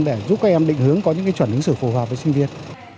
để giúp các em định hướng có những cái chuẩn hứng xử phù hợp với sinh viên